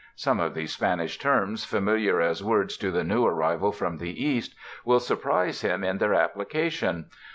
Some of these Span ish terms familiar as words to the new arrival from the East, will surprise him in their application.